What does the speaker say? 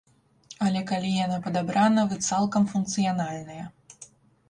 Але калі яна падабрана, вы цалкам функцыянальныя.